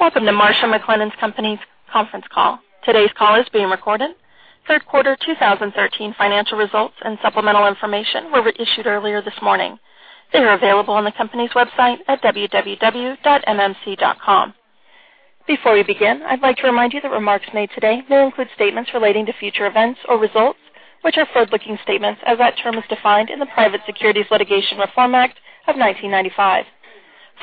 Welcome to Marsh & McLennan Companies' conference call. Today's call is being recorded. Third quarter 2013 financial results and supplemental information were issued earlier this morning. They are available on the company's website at www.mmc.com. Before we begin, I'd like to remind you that remarks made today may include statements relating to future events or results, which are forward-looking statements, as that term is defined in the Private Securities Litigation Reform Act of 1995.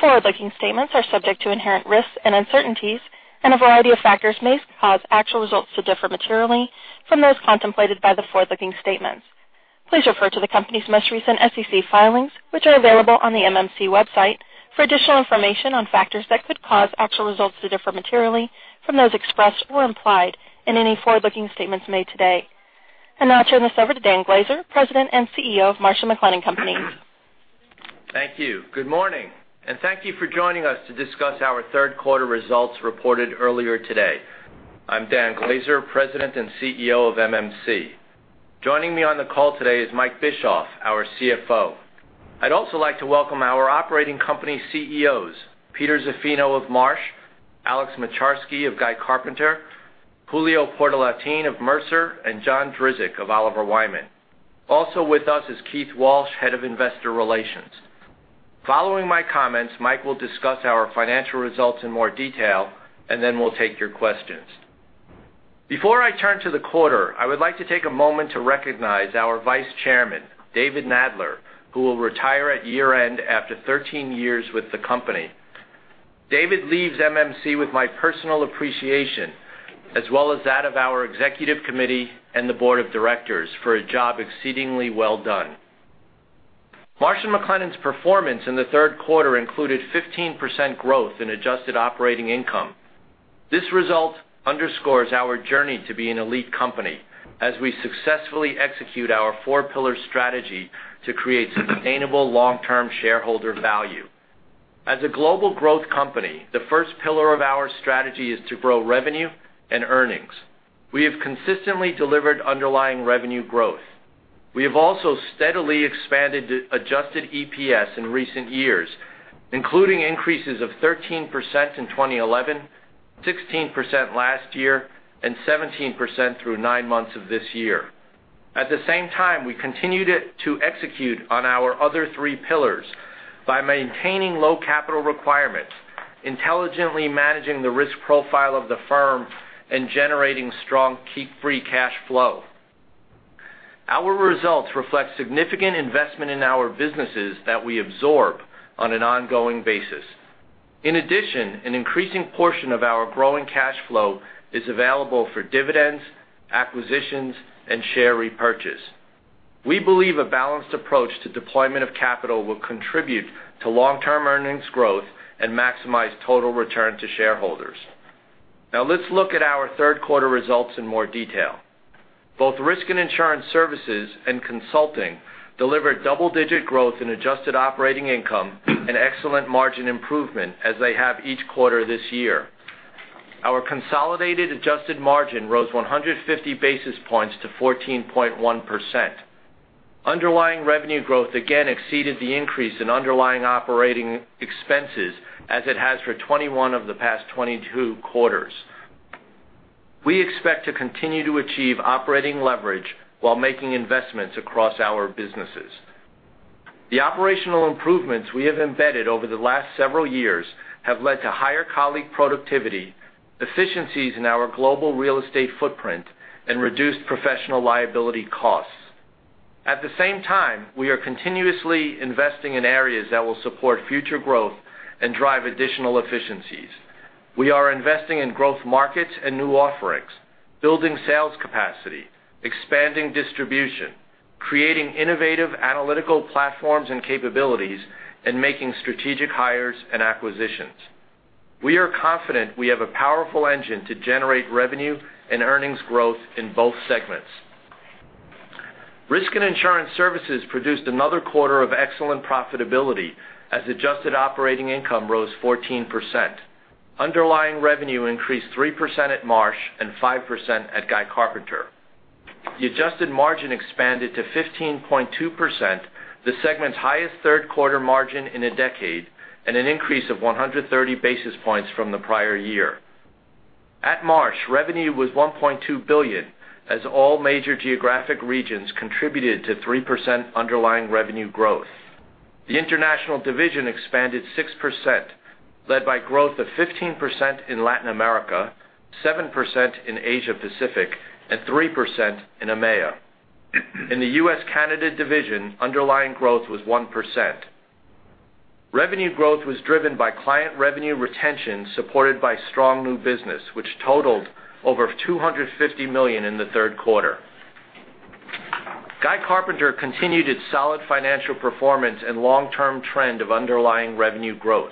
Forward-looking statements are subject to inherent risks and uncertainties, and a variety of factors may cause actual results to differ materially from those contemplated by the forward-looking statements. Please refer to the company's most recent SEC filings, which are available on the MMC website, for additional information on factors that could cause actual results to differ materially from those expressed or implied in any forward-looking statements made today. I now turn this over to Dan Glaser, President and CEO of Marsh & McLennan Companies. Thank you. Good morning. Thank you for joining us to discuss our third quarter results reported earlier today. I'm Dan Glaser, President and CEO of MMC. Joining me on the call today is Mike Bischoff, our CFO. I'd also like to welcome our operating company CEOs, Peter Zaffino of Marsh, Alex Moczarski of Guy Carpenter, Julio Portalatin of Mercer, and John Drzik of Oliver Wyman. Also with us is Keith Walsh, Head of Investor Relations. Following my comments, Mike will discuss our financial results in more detail. We'll take your questions. Before I turn to the quarter, I would like to take a moment to recognize our Vice Chairman, David Nadler, who will retire at year-end after 13 years with the company. David leaves MMC with my personal appreciation, as well as that of our executive committee and the board of directors for a job exceedingly well done. Marsh & McLennan's performance in the third quarter included 15% growth in adjusted operating income. This result underscores our journey to be an elite company as we successfully execute our four pillar strategy to create sustainable long-term shareholder value. As a global growth company, the first pillar of our strategy is to grow revenue and earnings. We have consistently delivered underlying revenue growth. We have also steadily expanded adjusted EPS in recent years, including increases of 13% in 2011, 16% last year, and 17% through nine months of this year. At the same time, we continued to execute on our other three pillars by maintaining low capital requirements, intelligently managing the risk profile of the firm, and generating strong key free cash flow. Our results reflect significant investment in our businesses that we absorb on an ongoing basis. In addition, an increasing portion of our growing cash flow is available for dividends, acquisitions, and share repurchase. We believe a balanced approach to deployment of capital will contribute to long-term earnings growth and maximize total return to shareholders. Now let's look at our third quarter results in more detail. Both Risk and Insurance Services and Consulting delivered double-digit growth in adjusted operating income and excellent margin improvement as they have each quarter this year. Our consolidated adjusted margin rose 150 basis points to 14.1%. Underlying revenue growth again exceeded the increase in underlying operating expenses, as it has for 21 of the past 22 quarters. We expect to continue to achieve operating leverage while making investments across our businesses. The operational improvements we have embedded over the last several years have led to higher colleague productivity, efficiencies in our global real estate footprint, and reduced professional liability costs. At the same time, we are continuously investing in areas that will support future growth and drive additional efficiencies. We are investing in growth markets and new offerings, building sales capacity, expanding distribution, creating innovative analytical platforms and capabilities, and making strategic hires and acquisitions. We are confident we have a powerful engine to generate revenue and earnings growth in both segments. Risk and Insurance Services produced another quarter of excellent profitability as adjusted operating income rose 14%. Underlying revenue increased 3% at Marsh and 5% at Guy Carpenter. The adjusted margin expanded to 15.2%, the segment's highest third-quarter margin in a decade, and an increase of 130 basis points from the prior year. At Marsh, revenue was $1.2 billion as all major geographic regions contributed to 3% underlying revenue growth. The international division expanded 6%, led by growth of 15% in Latin America, 7% in Asia Pacific, and 3% in EMEA. In the U.S.-Canada division, underlying growth was 1%. Revenue growth was driven by client revenue retention, supported by strong new business, which totaled over $250 million in the third quarter. Guy Carpenter continued its solid financial performance and long-term trend of underlying revenue growth.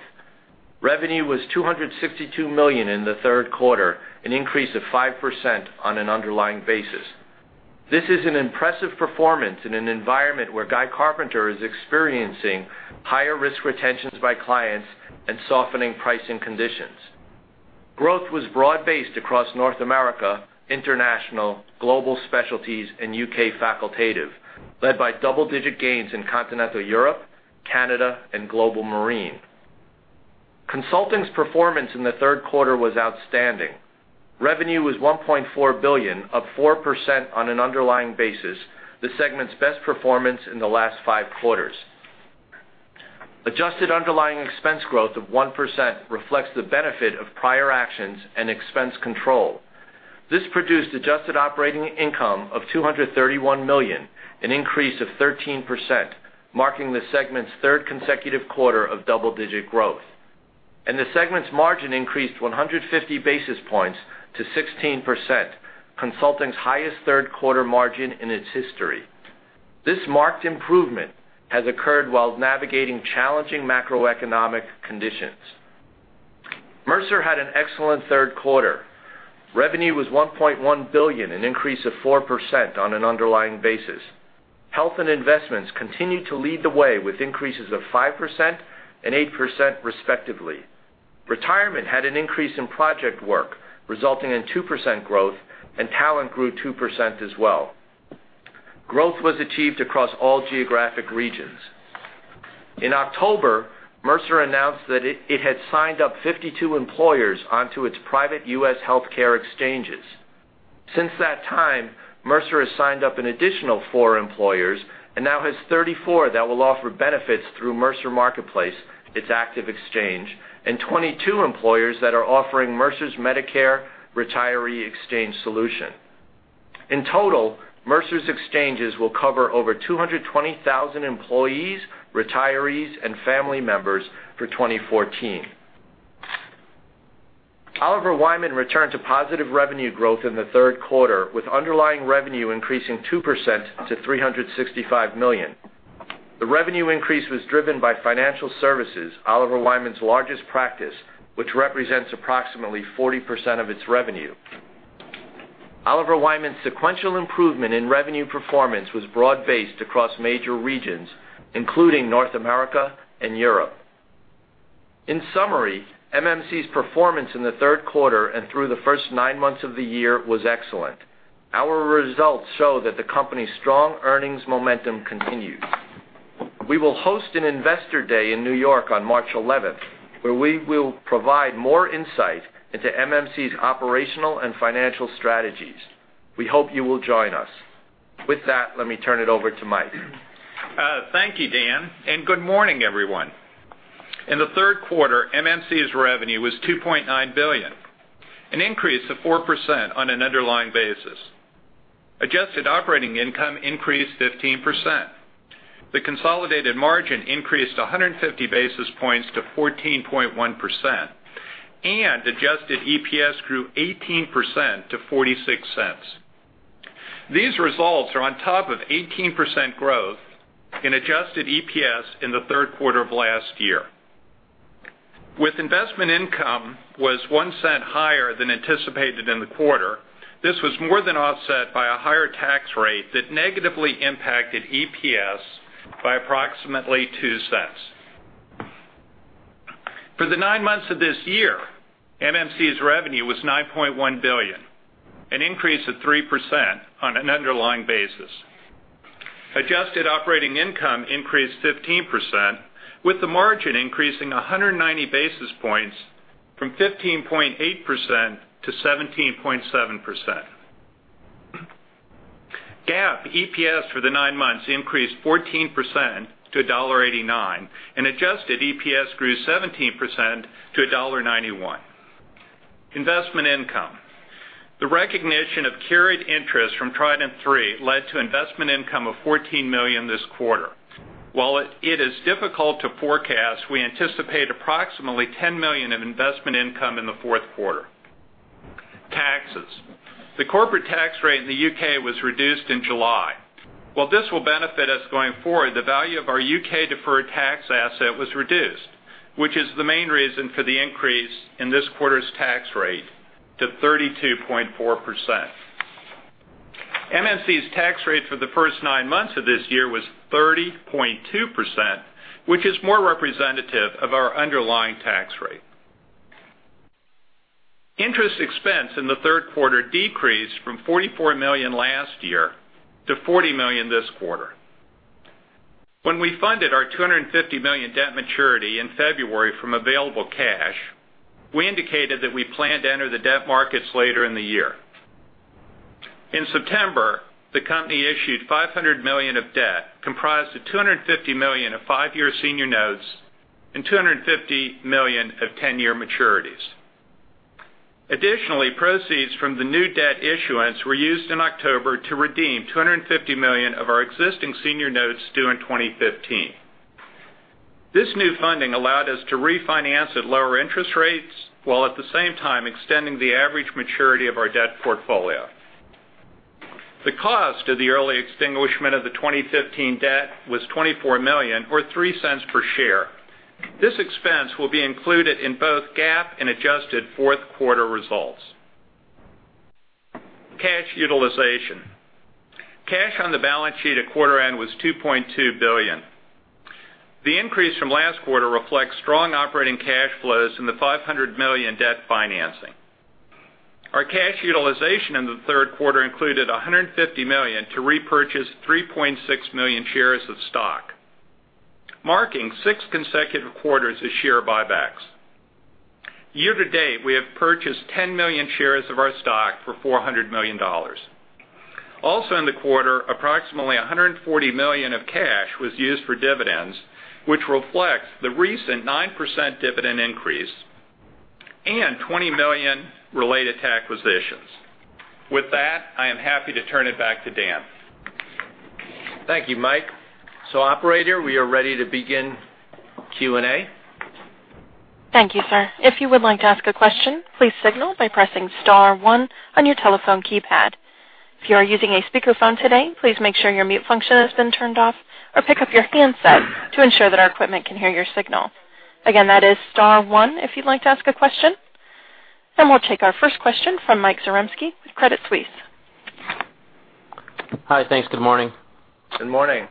Revenue was $262 million in the third quarter, an increase of 5% on an underlying basis. This is an impressive performance in an environment where Guy Carpenter is experiencing higher risk retentions by clients and softening pricing conditions. Growth was broad-based across North America, International, Global Specialties, and U.K. Facultative, led by double-digit gains in Continental Europe Canada, and Global Marine. Consulting's performance in the third quarter was outstanding. Revenue was $1.4 billion, up 4% on an underlying basis, the segment's best performance in the last five quarters. Adjusted underlying expense growth of 1% reflects the benefit of prior actions and expense control. This produced adjusted operating income of $231 million, an increase of 13%, marking the segment's third consecutive quarter of double-digit growth. The segment's margin increased 150 basis points to 16%, Consulting's highest third-quarter margin in its history. This marked improvement has occurred while navigating challenging macroeconomic conditions. Mercer had an excellent third quarter. Revenue was $1.1 billion, an increase of 4% on an underlying basis. Health and Investments continued to lead the way with increases of 5% and 8% respectively. Retirement had an increase in project work, resulting in 2% growth, and Talent grew 2% as well. Growth was achieved across all geographic regions. In October, Mercer announced that it had signed up 52 employers onto its private U.S. healthcare exchanges. Since that time, Mercer has signed up an additional 4 employers and now has 34 that will offer benefits through Mercer Marketplace, its active exchange, and 22 employers that are offering Mercer's Medicare retiree exchange solution. In total, Mercer's exchanges will cover over 220,000 employees, retirees, and family members for 2014. Oliver Wyman returned to positive revenue growth in the third quarter, with underlying revenue increasing 2% to $365 million. The revenue increase was driven by financial services, Oliver Wyman's largest practice, which represents approximately 40% of its revenue. Oliver Wyman's sequential improvement in revenue performance was broad-based across major regions, including North America and Europe. In summary, MMC's performance in the third quarter and through the first nine months of the year was excellent. Our results show that the company's strong earnings momentum continues. We will host an investor day in New York on March 11th, where we will provide more insight into MMC's operational and financial strategies. We hope you will join us. Let me turn it over to Mike. Thank you, Dan, good morning, everyone. In the third quarter, MMC's revenue was $2.9 billion, an increase of 4% on an underlying basis. Adjusted operating income increased 15%. The consolidated margin increased 150 basis points to 14.1%, adjusted EPS grew 18% to $0.46. These results are on top of 18% growth in adjusted EPS in the third quarter of last year. Investment income was $0.01 higher than anticipated in the quarter, this was more than offset by a higher tax rate that negatively impacted EPS by approximately $0.02. For the nine months of this year, MMC's revenue was $9.1 billion, an increase of 3% on an underlying basis. Adjusted operating income increased 15%, with the margin increasing 190 basis points from 15.8% to 17.7%. GAAP EPS for the nine months increased 14% to $1.89, adjusted EPS grew 17% to $1.91. Investment income. The recognition of carried interest from Trident III led to investment income of $14 million this quarter. While it is difficult to forecast, we anticipate approximately $10 million in investment income in the fourth quarter. Taxes. The corporate tax rate in the U.K. was reduced in July. While this will benefit us going forward, the value of our U.K. deferred tax asset was reduced, which is the main reason for the increase in this quarter's tax rate to 32.4%. MMC's tax rate for the first nine months of this year was 30.2%, which is more representative of our underlying tax rate. Interest expense in the third quarter decreased from $44 million last year to $40 million this quarter. When we funded our $250 million debt maturity in February from available cash, we indicated that we planned to enter the debt markets later in the year. In September, the company issued $500 million of debt, comprised of $250 million of five-year senior notes and $250 million of 10-year maturities. Proceeds from the new debt issuance were used in October to redeem $250 million of our existing senior notes due in 2015. This new funding allowed us to refinance at lower interest rates, while at the same time extending the average maturity of our debt portfolio. The cost of the early extinguishment of the 2015 debt was $24 million, or $0.03 per share. This expense will be included in both GAAP and adjusted fourth quarter results. Cash utilization. Cash on the balance sheet at quarter end was $2.2 billion. The increase from last quarter reflects strong operating cash flows in the $500 million debt financing. Our cash utilization in the third quarter included $150 million to repurchase 3.6 million shares of stock, marking six consecutive quarters of share buybacks. Year-to-date, we have purchased 10 million shares of our stock for $400 million. In the quarter, approximately $140 million of cash was used for dividends, which reflects the recent 9% dividend increase and $20 million related to acquisitions. With that, I am happy to turn it back to Dan. Thank you, Mike. Operator, we are ready to begin Q&A. Thank you, sir. If you would like to ask a question, please signal by pressing star one on your telephone keypad. If you are using a speakerphone today, please make sure your mute function has been turned off or pick up your handset to ensure that our equipment can hear your signal. Again, that is star one if you'd like to ask a question. We'll take our first question from Michael Zaremski with Credit Suisse. Hi. Thanks. Good morning. Good morning.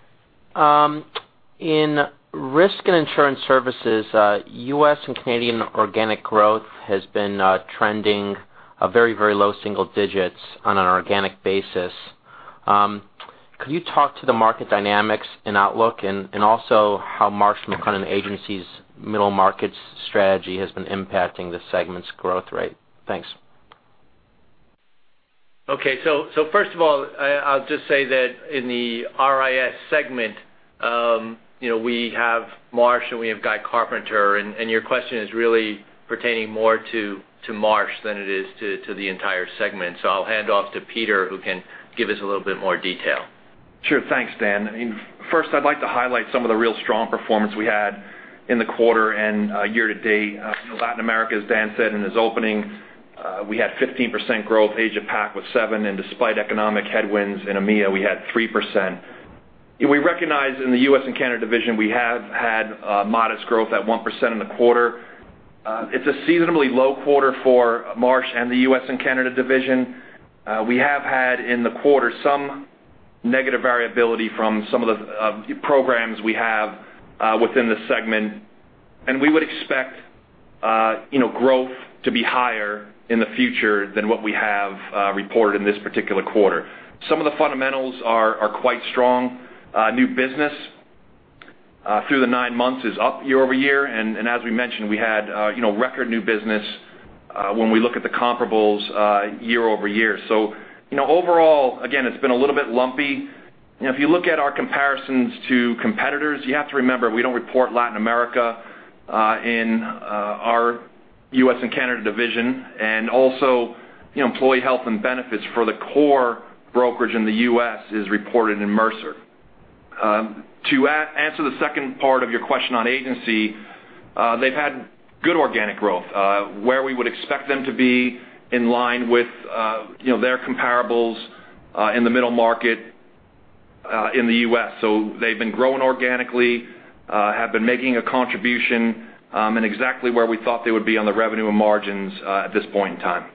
In Risk and Insurance Services, U.S. and Canadian organic growth has been trending a very low single digits on an organic basis. Could you talk to the market dynamics and outlook and also how Marsh McLennan Agency's middle markets strategy has been impacting the segment's growth rate? Thanks. Okay. First of all, I'll just say that in the RIS segment, we have Marsh, and we have Guy Carpenter, your question is really pertaining more to Marsh than it is to the entire segment. I'll hand off to Peter, who can give us a little bit more detail. Sure. Thanks, Dan. First, I'd like to highlight some of the real strong performance we had in the quarter and year-to-date. Latin America, as Dan said in his opening, we had 15% growth. Asia Pac was seven, and despite economic headwinds in EMEA, we had 3%. We recognize in the U.S. and Canada division, we have had modest growth at 1% in the quarter. It's a seasonably low quarter for Marsh and the U.S. and Canada division. We have had in the quarter some negative variability from some of the programs we have within the segment, and we would expect growth to be higher in the future than what we have reported in this particular quarter. Some of the fundamentals are quite strong. New business through the nine months is up year-over-year, and as we mentioned, we had record new business when we look at the comparables year-over-year. Overall, again, it's been a little bit lumpy. If you look at our comparisons to competitors, you have to remember, we don't report Latin America in our U.S. and Canada division, and also, employee health and benefits for the core brokerage in the U.S. is reported in Mercer. To answer the second part of your question on agency, they've had good organic growth, where we would expect them to be in line with their comparables in the middle market in the U.S. They've been growing organically, have been making a contribution, and exactly where we thought they would be on the revenue and margins at this point in time.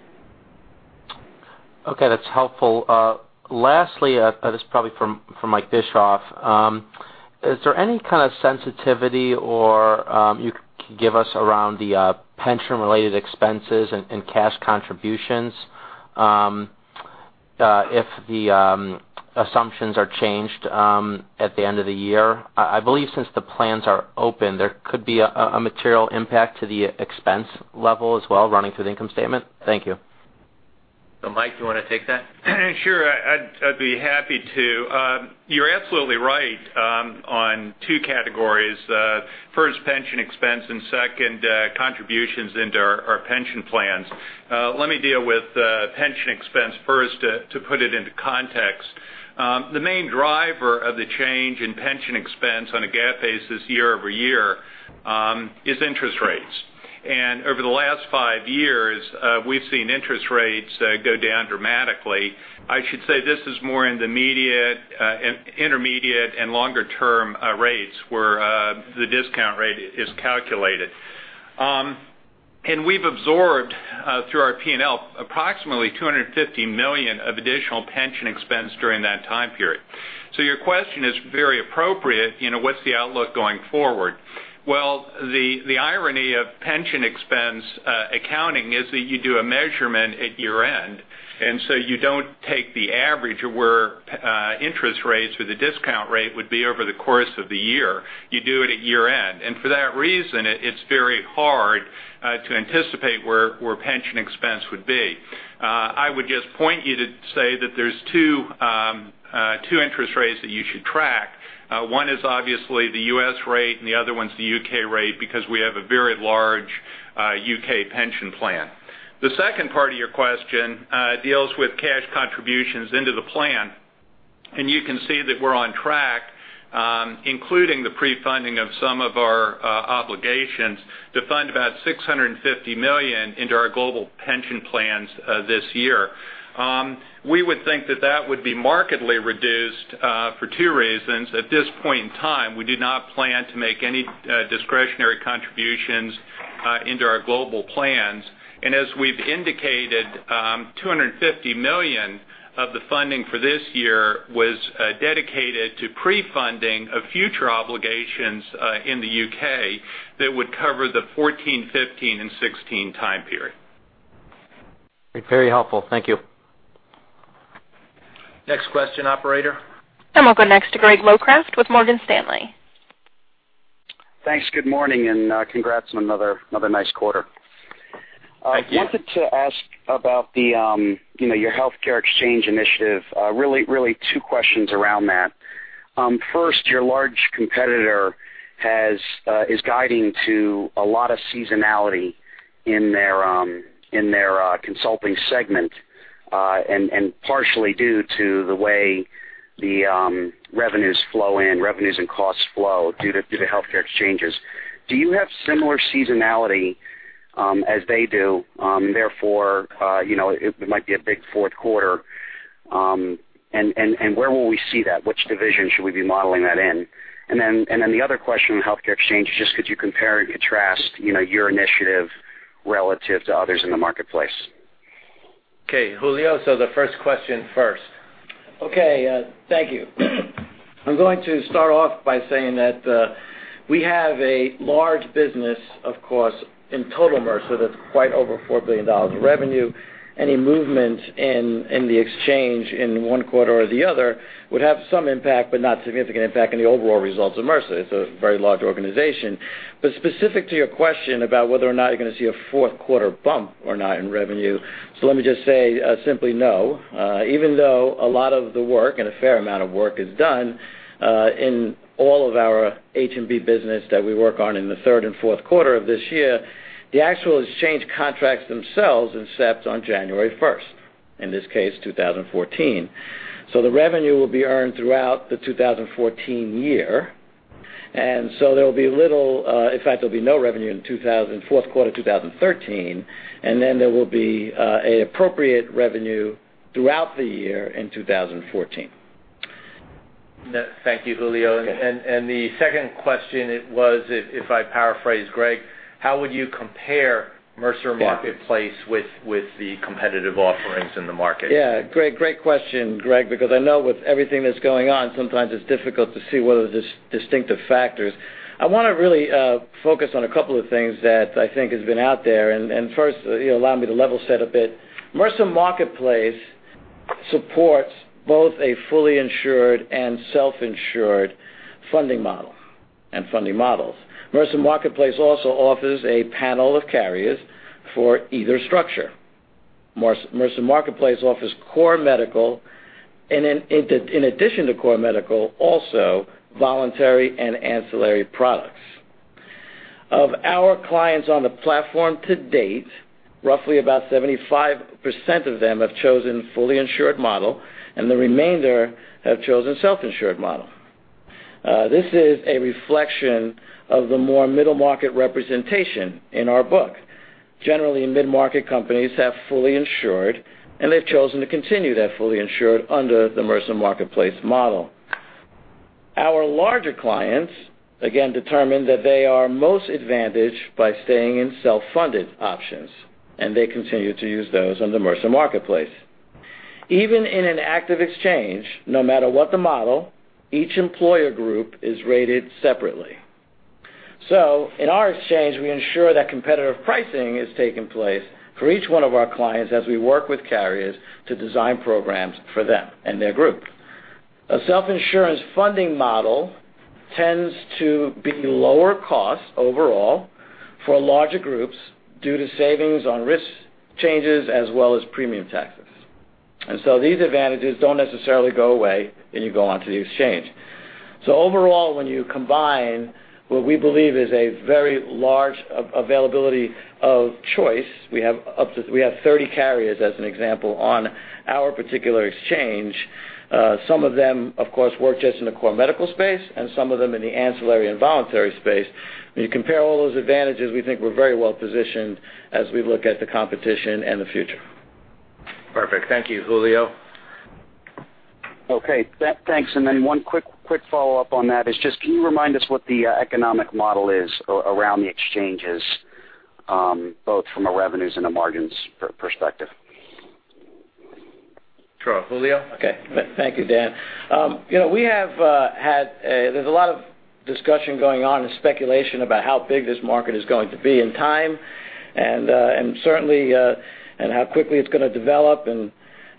Okay. That's helpful. Lastly, this is probably for Mike Bischoff. Is there any kind of sensitivity or you can give us around the pension-related expenses and cash contributions if the assumptions are changed at the end of the year? I believe since the plans are open, there could be a material impact to the expense level as well running through the income statement. Thank you. Mike, do you want to take that? Sure, I'd be happy to. You're absolutely right on two categories. First, pension expense, and second, contributions into our pension plans. Let me deal with pension expense first to put it into context. The main driver of the change in pension expense on a GAAP basis year-over-year is interest rates. Over the last five years, we've seen interest rates go down dramatically. I should say this is more in the intermediate and longer-term rates where the discount rate is calculated. We've absorbed, through our P&L, approximately $250 million of additional pension expense during that time period. Your question is very appropriate, what's the outlook going forward? The irony of pension expense accounting is that you do a measurement at year-end, you don't take the average of where interest rates or the discount rate would be over the course of the year. You do it at year-end. For that reason, it's very hard to anticipate where pension expense would be. I would just point you to say that there's two interest rates that you should track. One is obviously the U.S. rate, and the other one's the U.K. rate, because we have a very large U.K. pension plan. The second part of your question deals with cash contributions into the plan, and you can see that we're on track, including the pre-funding of some of our obligations to fund about $650 million into our global pension plans this year. We would think that that would be markedly reduced for two reasons. At this point in time, we do not plan to make any discretionary contributions into our global plans. As we've indicated, $250 million of the funding for this year was dedicated to pre-funding of future obligations in the U.K. that would cover the 2014, 2015, and 2016 time period. Very helpful. Thank you. Next question, operator. We'll go next to Greg Locraft with Morgan Stanley. Thanks. Good morning, congrats on another nice quarter. Thank you. I wanted to ask about your healthcare exchange initiative, really two questions around that. First, your large competitor is guiding to a lot of seasonality in their consulting segment, partially due to the way the revenues flow in, revenues and costs flow due to the healthcare exchanges. Do you have similar seasonality as they do? Therefore, it might be a big fourth quarter. Where will we see that? Which division should we be modeling that in? The other question on healthcare exchange is just could you compare and contrast your initiative relative to others in the marketplace? Julio. The first question first. Thank you. I am going to start off by saying that we have a large business, of course, in total Mercer that is quite over $4 billion in revenue. Any movement in the exchange in one quarter or the other would have some impact, but not significant impact in the overall results of Mercer. It is a very large organization. Specific to your question about whether or not you're going to see a fourth quarter bump or not in revenue. Let me just say, simply, no, even though a lot of the work and a fair amount of work is done in all of our H&B business that we work on in the third and fourth quarter of this year, the actual exchange contracts themselves incept on January 1st, in this case, 2014. The revenue will be earned throughout the 2014 year. There will be little, in fact, there'll be no revenue in fourth quarter 2013, there will be appropriate revenue throughout the year in 2014. Thank you, Julio. Okay. The second question, it was, if I paraphrase, Greg, how would you compare Mercer Marketplace with the competitive offerings in the market? Yeah. Great question, Greg, because I know with everything that's going on, sometimes it's difficult to see what are the distinctive factors. I want to really focus on a couple of things that I think has been out there, first, allow me to level set a bit. Mercer Marketplace supports both a fully insured and self-insured funding model, and funding models. Mercer Marketplace also offers a panel of carriers for either structure. Mercer Marketplace offers core medical, and in addition to core medical, also voluntary and ancillary products. Of our clients on the platform to date, roughly about 75% of them have chosen fully insured model, and the remainder have chosen self-insured model. This is a reflection of the more middle-market representation in our book. Generally, mid-market companies have fully insured, and they've chosen to continue their fully insured under the Mercer Marketplace model. Our larger clients, again, determine that they are most advantaged by staying in self-funded options, they continue to use those on the Mercer Marketplace. Even in an active exchange, no matter what the model, each employer group is rated separately. In our exchange, we ensure that competitive pricing is taking place for each one of our clients as we work with carriers to design programs for them and their group. A self-insurance funding model tends to be lower cost overall for larger groups due to savings on risk changes as well as premium taxes. These advantages don't necessarily go away when you go onto the exchange. Overall, when you combine what we believe is a very large availability of choice, we have 30 carriers, as an example, on our particular exchange. Some of them, of course, work just in the core medical space, and some of them in the ancillary and voluntary space. When you compare all those advantages, we think we're very well positioned as we look at the competition and the future. Perfect. Thank you, Julio. Okay. Thanks. One quick follow-up on that is just, can you remind us what the economic model is around the exchanges, both from a revenues and a margins perspective? Sure. Julio? Okay. Thank you, Dan. There's a lot of discussion going on and speculation about how big this market is going to be in time and certainly, how quickly it's going to develop.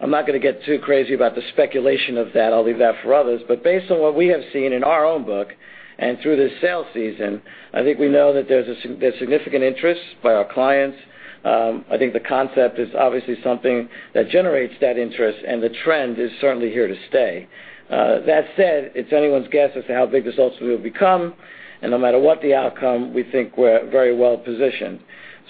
I'm not going to get too crazy about the speculation of that. I'll leave that for others. Based on what we have seen in our own book and through this sales season, I think we know that there's significant interest by our clients. I think the concept is obviously something that generates that interest, and the trend is certainly here to stay. That said, it's anyone's guess as to how big this ultimately will become, no matter what the outcome, we think we're very well positioned.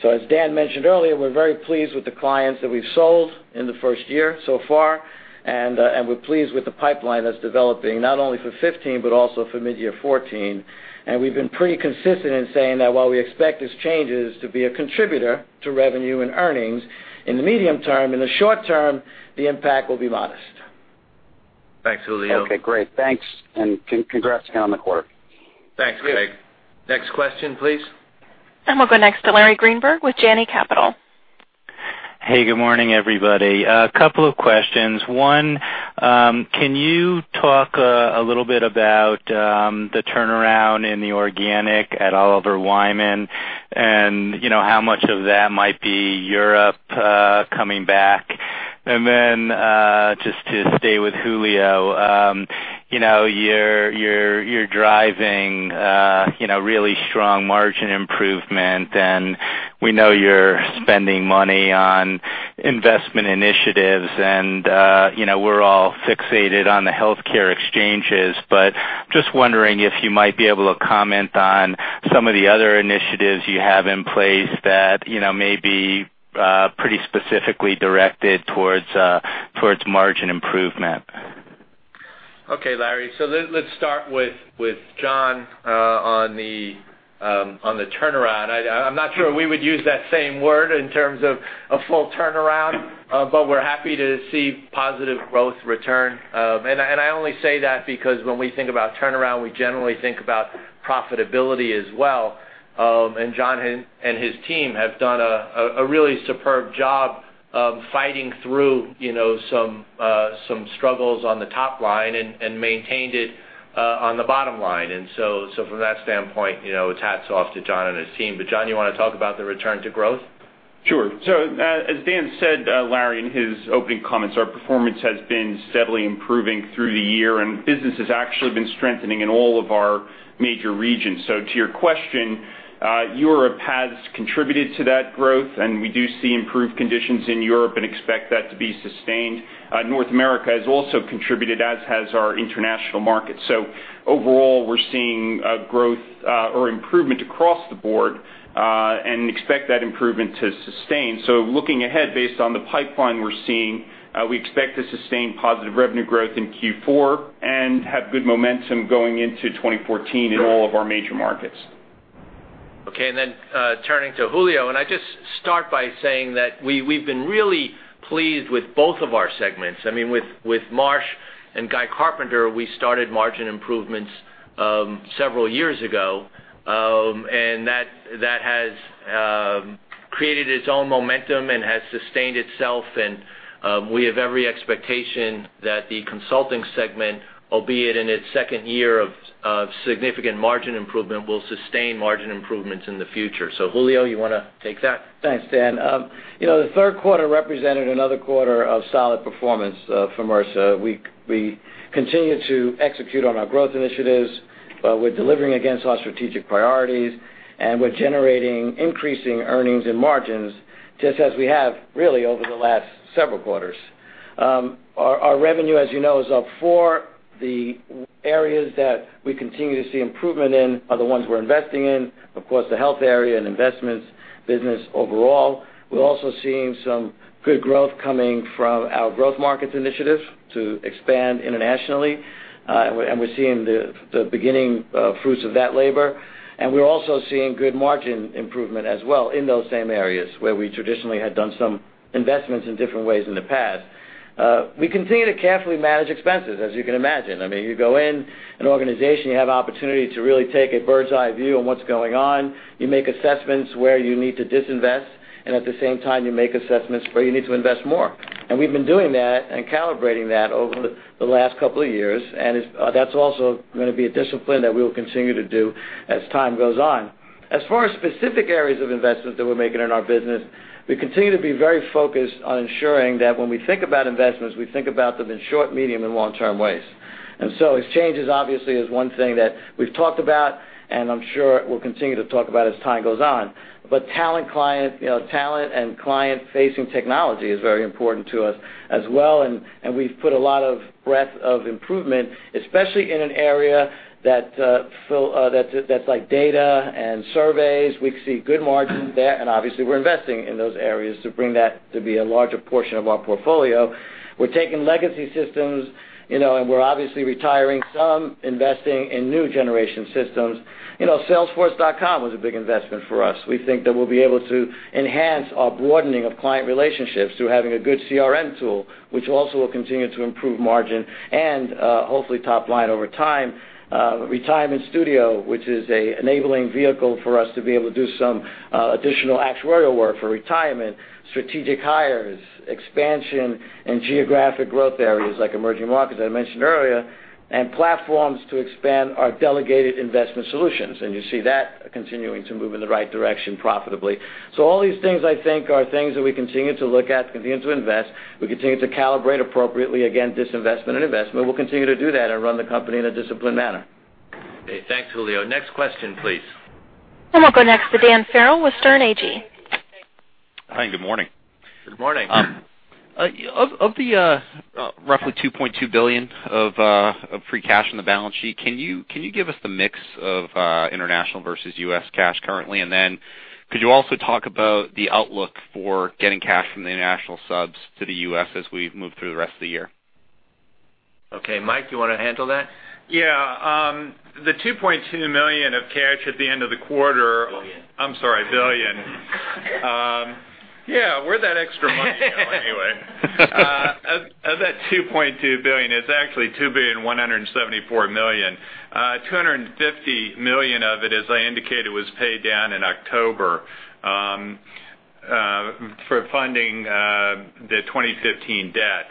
As Dan mentioned earlier, we're very pleased with the clients that we've sold in the first year so far, and we're pleased with the pipeline that's developing not only for 2015, but also for mid-year 2014. We've been pretty consistent in saying that while we expect these changes to be a contributor to revenue and earnings in the medium term, in the short term, the impact will be modest. Thanks, Julio Okay, great. Thanks, congrats again on the quarter. Thanks, Greg. Next question, please. We'll go next to Larry Greenberg with Janney Capital. Hey, good morning, everybody. A couple of questions. One, can you talk a little bit about the turnaround in the organic at Oliver Wyman, and how much of that might be Europe coming back? Just to stay with Julio, you're driving really strong margin improvement, and we know you're spending money on investment initiatives, and we're all fixated on the healthcare exchanges. Just wondering if you might be able to comment on some of the other initiatives you have in place that may be pretty specifically directed towards margin improvement. Okay, Larry. Let's start with John on the turnaround. I'm not sure we would use that same word in terms of a full turnaround, but we're happy to see positive growth return. I only say that because when we think about turnaround, we generally think about profitability as well. John and his team have done a really superb job of fighting through some struggles on the top line and maintained it on the bottom line. From that standpoint, it's hats off to John and his team. John, you want to talk about the return to growth? Sure. As Dan said, Larry, in his opening comments, our performance has been steadily improving through the year, and business has actually been strengthening in all of our major regions. To your question, Europe has contributed to that growth, and we do see improved conditions in Europe and expect that to be sustained. North America has also contributed, as has our international markets. Overall, we're seeing growth or improvement across the board, and expect that improvement to sustain. Looking ahead, based on the pipeline we're seeing, we expect to sustain positive revenue growth in Q4 and have good momentum going into 2014 in all of our major markets. Turning to Julio, I just start by saying that we've been really pleased with both of our segments. With Marsh & Guy Carpenter, we started margin improvements several years ago, and that has created its own momentum and has sustained itself. We have every expectation that the consulting segment, albeit in its second year of significant margin improvement, will sustain margin improvements in the future. Julio, you want to take that? Thanks, Dan. The third quarter represented another quarter of solid performance for Mercer. We continue to execute on our growth initiatives. We're delivering against our strategic priorities, and we're generating increasing earnings and margins, just as we have really over the last several quarters. Our revenue, as you know, is up. The areas that we continue to see improvement in are the ones we're investing in, of course, the health area and investments business overall. We're also seeing some good growth coming from our growth markets initiative to expand internationally, and we're seeing the beginning fruits of that labor. We're also seeing good margin improvement as well in those same areas where we traditionally had done some investments in different ways in the past. We continue to carefully manage expenses, as you can imagine. You go in an organization, you have opportunity to really take a bird's eye view on what's going on. You make assessments where you need to disinvest, and at the same time, you make assessments where you need to invest more. We've been doing that and calibrating that over the last couple of years, and that's also going to be a discipline that we will continue to do as time goes on. As far as specific areas of investments that we're making in our business, we continue to be very focused on ensuring that when we think about investments, we think about them in short, medium, and long-term ways. Exchanges obviously is one thing that we've talked about, and I'm sure we'll continue to talk about as time goes on. Talent and client-facing technology is very important to us as well, and we've put a lot of breadth of improvement, especially in an area that's like data and surveys. We see good margins there, and obviously, we're investing in those areas to bring that to be a larger portion of our portfolio. We're taking legacy systems, and we're obviously retiring some, investing in new generation systems. Salesforce.com was a big investment for us. We think that we'll be able to enhance our broadening of client relationships through having a good CRM tool, which also will continue to improve margin and hopefully top line over time. Retirement Studio, which is an enabling vehicle for us to be able to do some additional actuarial work for retirement, strategic hires, expansion in geographic growth areas like emerging markets, as I mentioned earlier, and platforms to expand our delegated investment solutions. You see that continuing to move in the right direction profitably. All these things, I think, are things that we continue to look at, continue to invest. We continue to calibrate appropriately, again, disinvestment and investment. We'll continue to do that and run the company in a disciplined manner. Okay. Thanks, Julio. Next question, please. We'll go next to Dan Farrell with Sterne Agee. Hi, good morning. Good morning. Of the roughly $2.2 billion of free cash on the balance sheet, can you give us the mix of international versus U.S. cash currently? Could you also talk about the outlook for getting cash from the international subs to the U.S. as we move through the rest of the year? Okay. Mike, you want to handle that? Yeah. The $2.2 million of cash at the end of the quarter- Billion. I'm sorry, billion. Yeah, where'd that extra money go anyway? Of that $2.2 billion, it's actually $2.174 billion. $250 million of it, as I indicated, was paid down in October for funding the 2015 debt.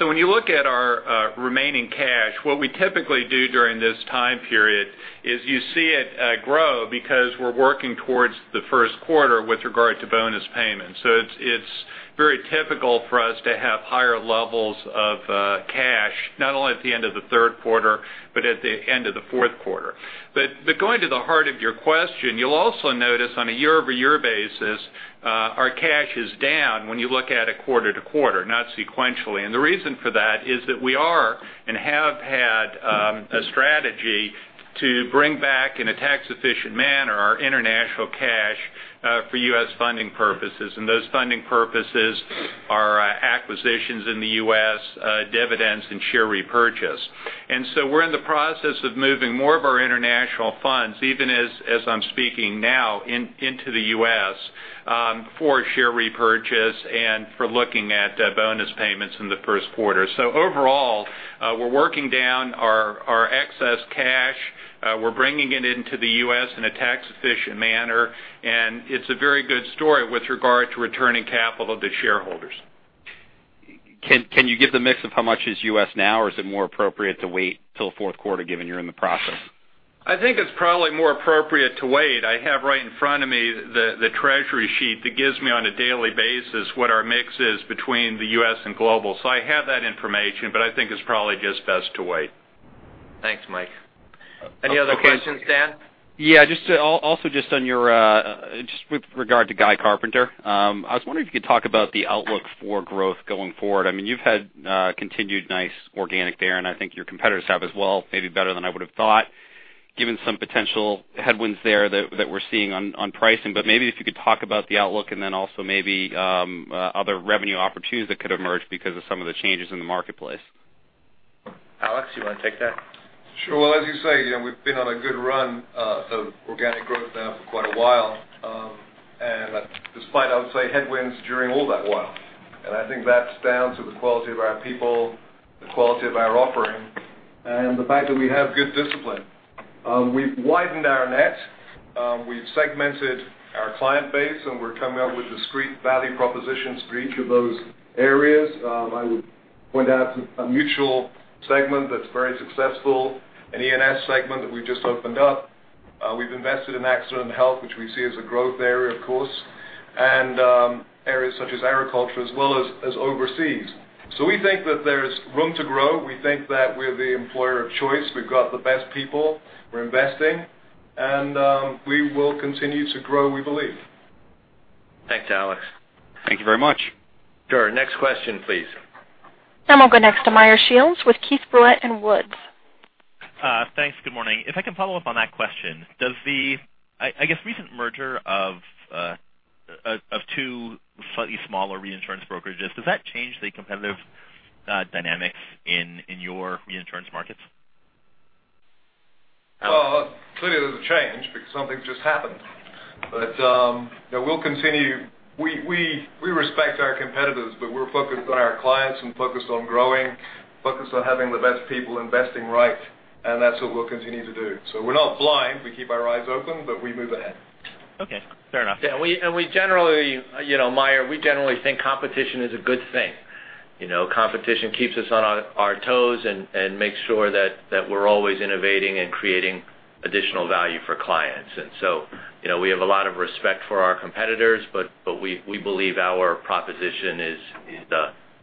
When you look at our remaining cash, what we typically do during this time period is you see it grow because we're working towards the first quarter with regard to bonus payments. It's very typical for us to have higher levels of cash, not only at the end of the third quarter, but at the end of the fourth quarter. Going to the heart of your question, you'll also notice on a year-over-year basis, our cash is down when you look at it quarter-to-quarter, not sequentially. The reason for that is that we are, and have had, a strategy to bring back, in a tax-efficient manner, our international cash for U.S. funding purposes. Those funding purposes are acquisitions in the U.S., dividends, and share repurchase. We're in the process of moving more of our international funds, even as I'm speaking now, into the U.S. for share repurchase and for looking at bonus payments in the first quarter. Overall, we're working down our excess cash. We're bringing it into the U.S. in a tax-efficient manner, and it's a very good story with regard to returning capital to shareholders. Can you give the mix of how much is U.S. now, or is it more appropriate to wait till fourth quarter, given you're in the process? I think it's probably more appropriate to wait. I have right in front of me the treasury sheet that gives me on a daily basis what our mix is between the U.S. and global. I have that information, but I think it's probably just best to wait. Thanks, Mike. Any other questions, Dan? Yeah. Also, just with regard to Guy Carpenter, I was wondering if you could talk about the outlook for growth going forward. You've had continued nice organic there, and I think your competitors have as well, maybe better than I would've thought, given some potential headwinds there that we're seeing on pricing. Maybe if you could talk about the outlook and then also maybe other revenue opportunities that could emerge because of some of the changes in the marketplace. Alex, you want to take that? Sure. Well, as you say, we've been on a good run of organic growth now for quite a while, despite, I would say, headwinds during all that while. I think that's down to the quality of our people, the quality of our offering, and the fact that we have good discipline. We've widened our net, we've segmented our client base, and we're coming up with discrete value propositions for each of those areas. I would point out a mutual segment that's very successful, an E&S segment that we just opened up. We've invested in Accident and Health, which we see as a growth area, of course, and areas such as agriculture, as well as overseas. We think that there's room to grow. We think that we're the employer of choice. We've got the best people. We're investing, and we will continue to grow, we believe. Thanks, Alex. Thank you very much. Sure. Next question, please. We'll go next to Meyer Shields with Keefe, Bruyette & Woods. Thanks. Good morning. If I can follow up on that question, does the, I guess, recent merger of two slightly smaller reinsurance brokerages, does that change the competitive dynamics in your reinsurance markets? Alex? Clearly, there's a change because something just happened. We respect our competitors, we're focused on our clients and focused on growing, focused on having the best people investing right, and that's what we'll continue to do. We're not blind. We keep our eyes open, we move ahead. Okay, fair enough. Yeah. Meyer, we generally think competition is a good thing. Competition keeps us on our toes, makes sure that we're always innovating and creating additional value for clients. We have a lot of respect for our competitors, we believe our proposition is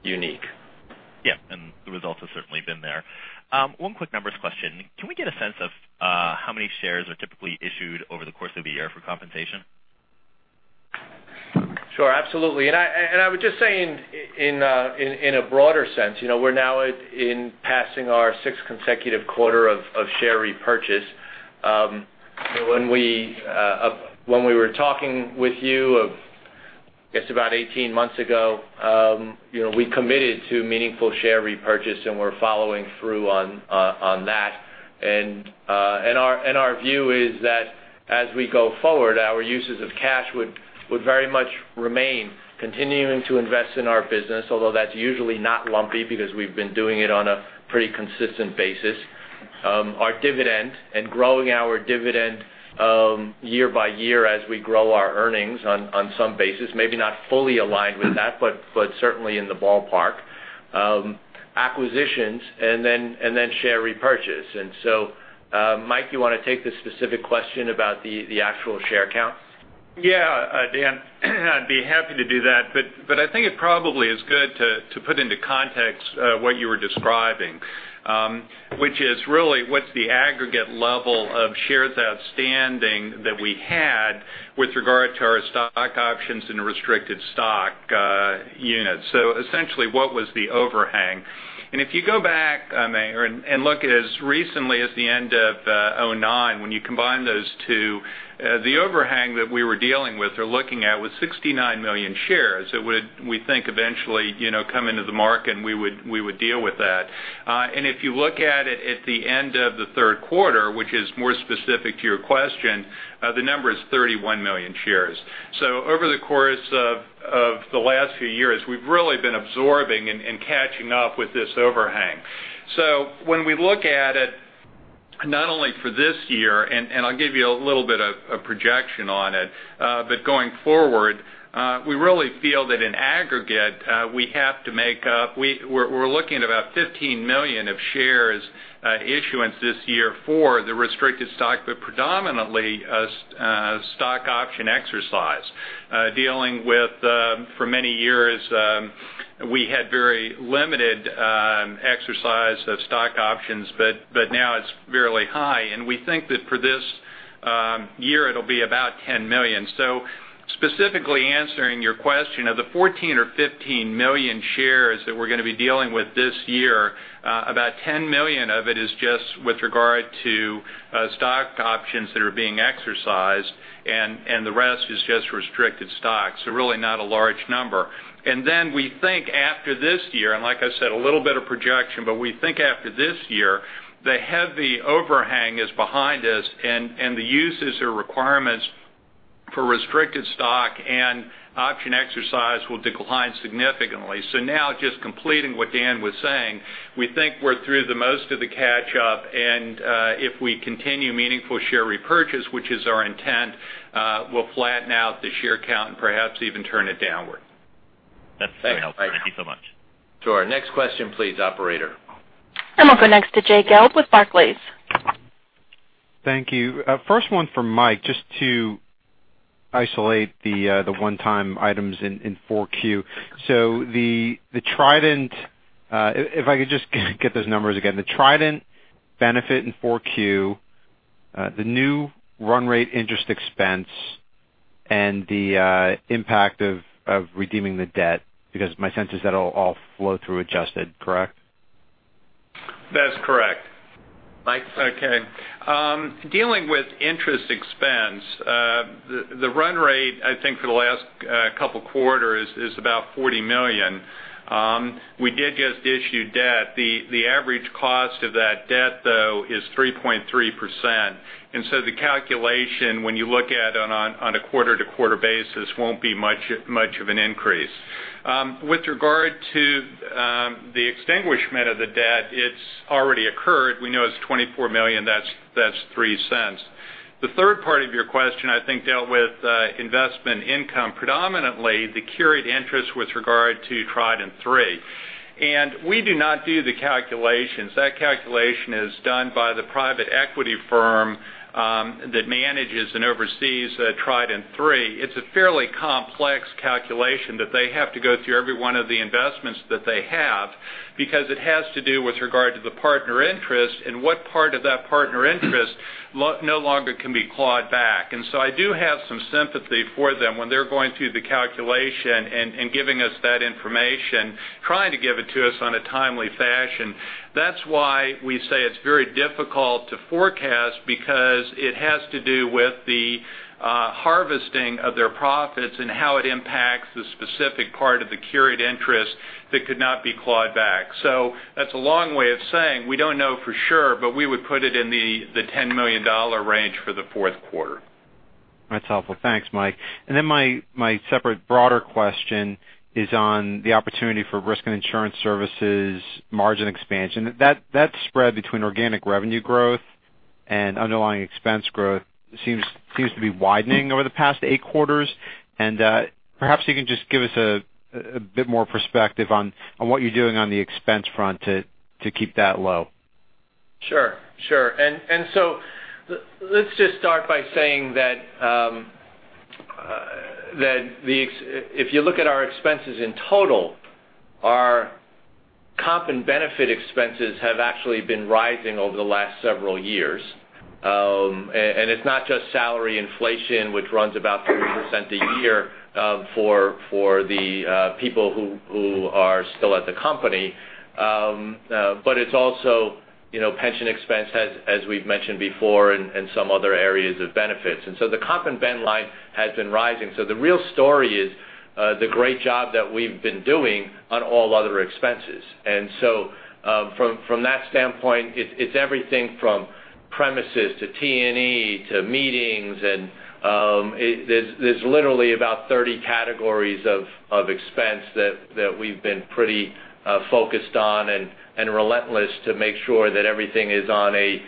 unique. Yeah. The results have certainly been there. One quick numbers question. Can we get a sense of how many shares are typically issued over the course of a year for compensation? Sure, absolutely. I would just say in a broader sense, we're now in passing our sixth consecutive quarter of share repurchase. When we were talking with you, I guess about 18 months ago, we committed to meaningful share repurchase, we're following through on that. Our view is that as we go forward, our uses of cash would very much remain continuing to invest in our business, although that's usually not lumpy because we've been doing it on a pretty consistent basis. Our dividend and growing our dividend year by year as we grow our earnings on some basis, maybe not fully aligned with that, but certainly in the ballpark. Acquisitions, then share repurchase. Mike, you want to take the specific question about the actual share count? Yeah, Dan, I'd be happy to do that, I think it probably is good to put into context what you were describing, which is really what's the aggregate level of shares outstanding that we had with regard to our stock options and restricted stock units. Essentially, what was the overhang? If you go back and look, as recently as the end of 2009, when you combine those two, the overhang that we were dealing with or looking at was 69 million shares that would, we think, eventually come into the market, we would deal with that. If you look at it at the end of the third quarter, which is more specific to your question, the number is 31 million shares. Over the course of the last few years, we've really been absorbing and catching up with this overhang. When we look at it, not only for this year, I'll give you a little bit of a projection on it, but going forward, we really feel that in aggregate, we're looking at about $15 million of shares issuance this year for the restricted stock, predominantly stock option exercise. Dealing with for many years, we had very limited exercise of stock options, now it's fairly high, we think that for this year it'll be about $10 million. Specifically answering your question, of the $14 million or $15 million shares that we're going to be dealing with this year, about $10 million of it is just with regard to stock options that are being exercised, the rest is just restricted stock. Really not a large number. We think after this year, like I said, a little bit of projection, we think after this year, the heavy overhang is behind us, the uses or requirements for restricted stock and option exercise will decline significantly. Just completing what Dan was saying, we think we're through the most of the catch-up, if we continue meaningful share repurchase, which is our intent, we'll flatten out the share count perhaps even turn it downward. That's fair enough. Thank you so much. To our next question please, operator. We'll go next to Jay Gelb with Barclays. Thank you. First one for Mike, just to isolate the one-time items in 4Q. If I could just get those numbers again, the Trident benefit in 4Q, the new run rate interest expense, and the impact of redeeming the debt, because my sense is that all flow through adjusted, correct? That's correct. Mike? Dealing with interest expense, the run rate, I think for the last couple of quarters is about $40 million. We did just issue debt. The average cost of that debt, though, is 3.3%. The calculation, when you look at it on a quarter-over-quarter basis, won't be much of an increase. With regard to the extinguishment of the debt, it's already occurred. We know it's $24 million. That's $0.03. The third part of your question, I think, dealt with investment income, predominantly the carried interest with regard to Trident III. We do not do the calculations. That calculation is done by the private equity firm that manages and oversees Trident III. It's a fairly complex calculation that they have to go through every one of the investments that they have, because it has to do with regard to the partner interest and what part of that partner interest no longer can be clawed back. I do have some sympathy for them when they're going through the calculation and giving us that information, trying to give it to us on a timely fashion. That's why we say it's very difficult to forecast, because it has to do with the harvesting of their profits and how it impacts the specific part of the carried interest that could not be clawed back. That's a long way of saying, we don't know for sure, but we would put it in the $10 million range for the fourth quarter. That's helpful. Thanks, Mike. My separate broader question is on the opportunity for Risk and Insurance Services margin expansion. That spread between organic revenue growth and underlying expense growth seems to be widening over the past eight quarters. Perhaps you can just give us a bit more perspective on what you're doing on the expense front to keep that low. Sure. Let's just start by saying that if you look at our expenses in total, our comp and benefit expenses have actually been rising over the last several years. It's not just salary inflation, which runs about 3% a year for the people who are still at the company, but it's also pension expense, as we've mentioned before, and some other areas of benefits. The comp and ben line has been rising. The real story is the great job that we've been doing on all other expenses. From that standpoint, it's everything from premises to T&E to meetings, and there's literally about 30 categories of expense that we've been pretty focused on and relentless to make sure that everything is on a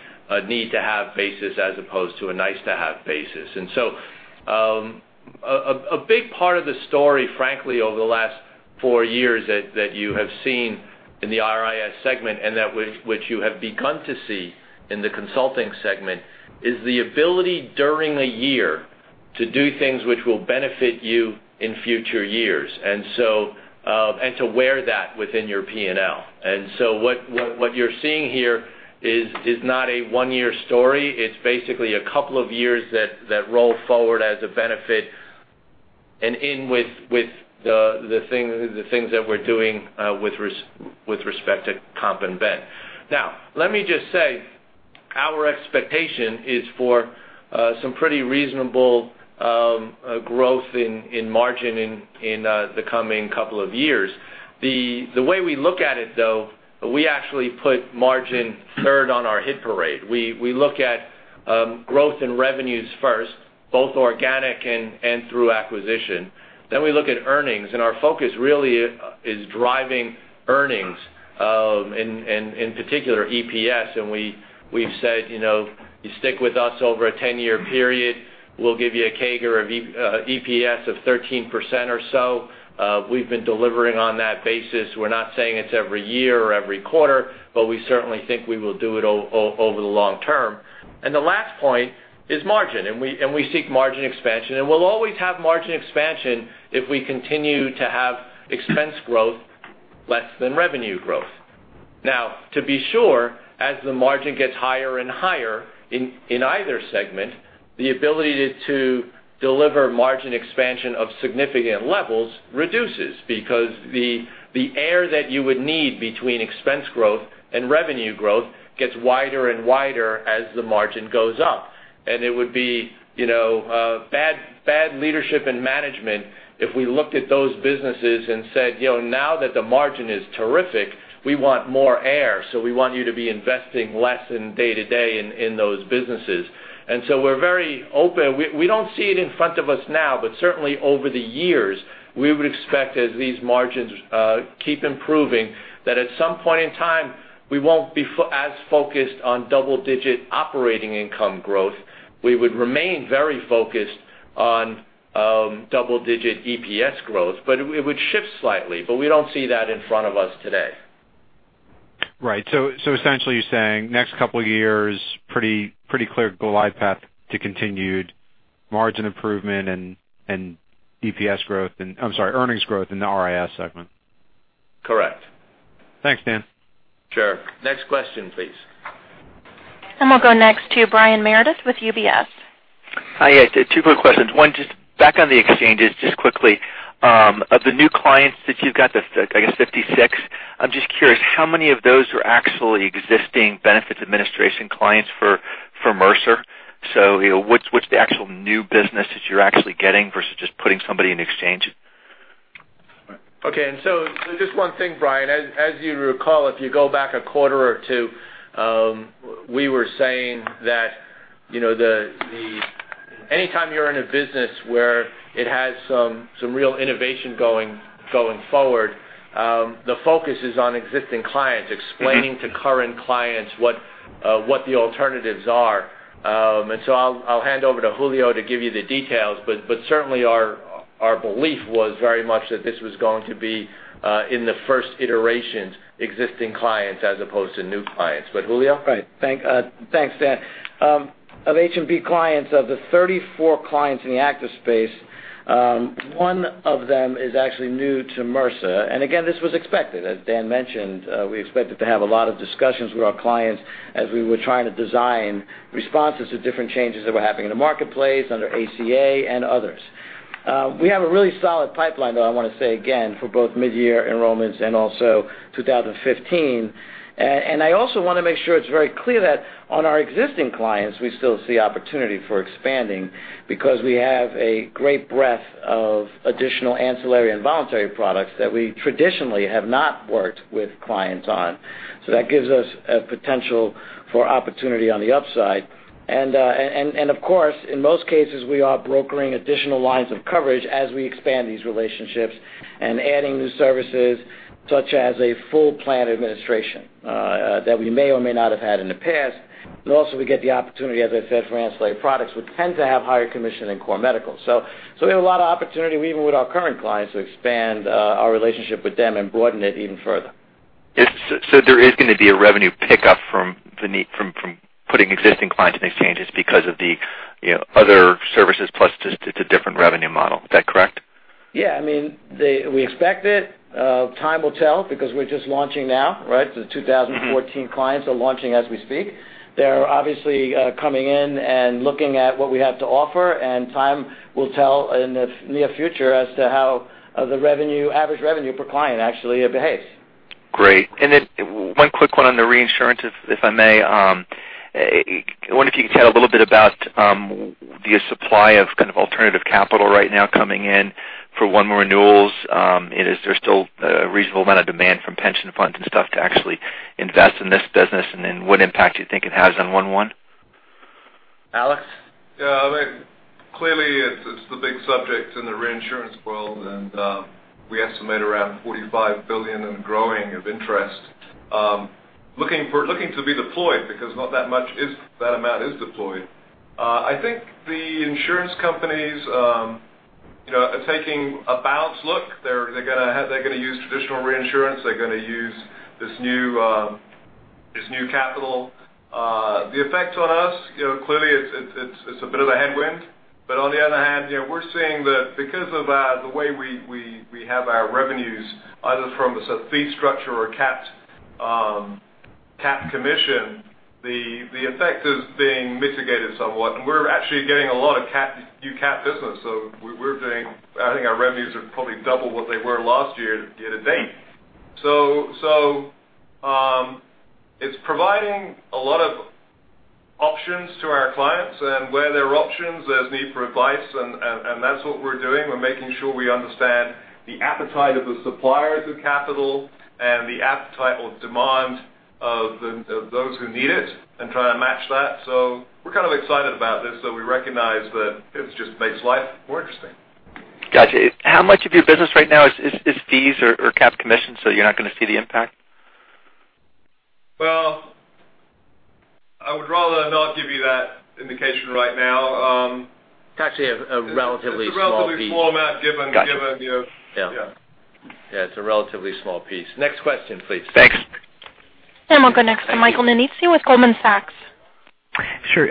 need-to-have basis as opposed to a nice-to-have basis. A big part of the story, frankly, over the last four years that you have seen in the RIS segment, and that which you have begun to see in the consulting segment, is the ability during a year to do things which will benefit you in future years. To wear that within your P&L. What you're seeing here is not a one-year story. It's basically a couple of years that roll forward as a benefit. In with the things that we're doing with respect to comp and ben. Now, let me just say, our expectation is for some pretty reasonable growth in margin in the coming couple of years. The way we look at it, though, we actually put margin third on our hit parade. We look at growth in revenues first, both organic and through acquisition. We look at earnings, and our focus really is driving earnings, in particular EPS, and we've said, "You stick with us over a 10-year period, we'll give you a CAGR of EPS of 13% or so." We've been delivering on that basis. We're not saying it's every year or every quarter, but we certainly think we will do it over the long term. The last point is margin, and we seek margin expansion, and we'll always have margin expansion if we continue to have expense growth less than revenue growth. Now, to be sure, as the margin gets higher and higher in either segment, the ability to deliver margin expansion of significant levels reduces because the air that you would need between expense growth and revenue growth gets wider and wider as the margin goes up. It would be bad leadership and management if we looked at those businesses and said, "Now that the margin is terrific, we want more air, so we want you to be investing less in day-to-day in those businesses." We're very open. We don't see it in front of us now. Certainly over the years, we would expect, as these margins keep improving, that at some point in time, we won't be as focused on double-digit operating income growth. We would remain very focused on double-digit EPS growth, but it would shift slightly. We don't see that in front of us today. Right. Essentially, you're saying next couple of years, pretty clear glide path to continued margin improvement and EPS growth, I'm sorry, earnings growth in the RIS segment. Correct. Thanks, Dan. Sure. Next question, please. We'll go next to Brian Meredith with UBS. Hi. Two quick questions. One, just back on the exchanges, just quickly. Of the new clients that you've got, I guess 56, I'm just curious, how many of those are actually existing benefits administration clients for Mercer? What's the actual new business that you're actually getting versus just putting somebody in exchange? Okay, just one thing, Brian. As you recall, if you go back a quarter or two, we were saying that anytime you're in a business where it has some real innovation going forward, the focus is on existing clients, explaining to current clients what the alternatives are. I'll hand over to Julio to give you the details, but certainly our belief was very much that this was going to be in the first iterations, existing clients as opposed to new clients. Go ahead, Julio. Right. Thanks, Dan. Of H&B clients, of the 34 clients in the active space, one of them is actually new to Mercer. Again, this was expected. As Dan mentioned, we expected to have a lot of discussions with our clients as we were trying to design responses to different changes that were happening in the marketplace under ACA and others. We have a really solid pipeline, though, I want to say again, for both mid-year enrollments and also 2015. I also want to make sure it's very clear that on our existing clients, we still see opportunity for expanding because we have a great breadth of additional ancillary and voluntary products that we traditionally have not worked with clients on. That gives us a potential for opportunity on the upside. Of course, in most cases, we are brokering additional lines of coverage as we expand these relationships and adding new services, such as a full plan administration that we may or may not have had in the past. Also, we get the opportunity, as I said, for ancillary products, which tend to have higher commission than core medical. We have a lot of opportunity, even with our current clients, to expand our relationship with them and broaden it even further. There is going to be a revenue pickup from putting existing clients in exchanges because of the other services, plus just it's a different revenue model. Is that correct? Yeah. We expect it. Time will tell because we're just launching now, right? The 2014 clients are launching as we speak. They're obviously coming in and looking at what we have to offer, and time will tell in the near future as to how the average revenue per client actually behaves. Great. Then one quick one on the reinsurance, if I may. I wonder if you could tell a little bit about the supply of kind of alternative capital right now coming in for one more renewals. Is there still a reasonable amount of demand from pension funds and stuff to actually invest in this business? Then what impact do you think it has on One One? Alex? Yeah. Clearly, it's the big subject in the reinsurance world. We estimate around $45 billion and growing of interest, looking to be deployed because not that amount is deployed. I think the insurance companies are taking a balanced look. They're going to use traditional reinsurance. They're going to use this new capital. The effect on us, clearly, it's a bit of a headwind. On the other hand, we're seeing that because of the way we have our revenues, either from a fee structure or a capped cap commission, the effect is being mitigated somewhat. We're actually getting a lot of new cap business. I think our revenues are probably double what they were last year to date. It's providing a lot of options to our clients. Where there are options, there's need for advice, and that's what we're doing. We're making sure we understand the appetite of the suppliers of capital and the appetite or demand of those who need it and try to match that. We're kind of excited about this, though we recognize that it just makes life more interesting. Got you. How much of your business right now is fees or cap commission, you're not going to see the impact? Well, I would rather not give you that indication right now. It's actually a relatively small piece. It's a relatively small amount given the. Got you. Yeah. Yeah. It's a relatively small piece. Next question, please. Thanks. We'll go next to Michael Nannizzi with Goldman Sachs. Sure.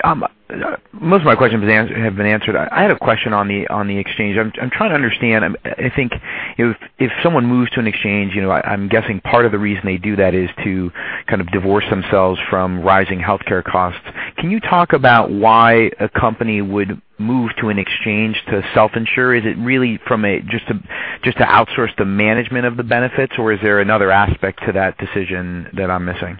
Most of my questions have been answered. I had a question on the exchange. I'm trying to understand. I think if someone moves to an exchange, I'm guessing part of the reason they do that is to kind of divorce themselves from rising healthcare costs. Can you talk about why a company would move to an exchange to self-insure? Is it really just to outsource the management of the benefits, or is there another aspect to that decision that I'm missing?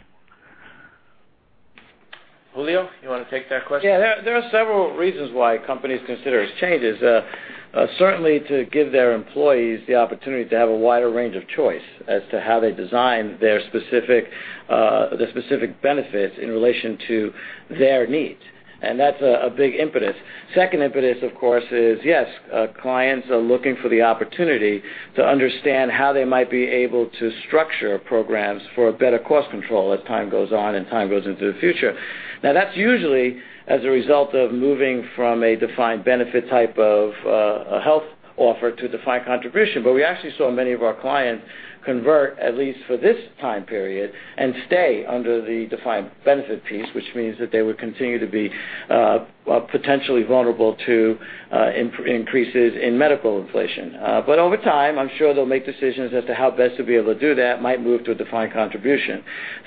Julio, you want to take that question? Yeah. There are several reasons why companies consider exchanges. Certainly, to give their employees the opportunity to have a wider range of choice as to how they design the specific benefits in relation to their needs. That's a big impetus. Second impetus, of course, is yes, clients are looking for the opportunity to understand how they might be able to structure programs for better cost control as time goes on and time goes into the future. That's usually as a result of moving from a defined benefit type of health offer to defined contribution. We actually saw many of our clients convert, at least for this time period, and stay under the defined benefit piece, which means that they would continue to be potentially vulnerable to increases in medical inflation. Over time, I'm sure they'll make decisions as to how best to be able to do that, might move to a defined contribution.